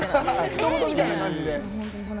ひと事みたいな感じで。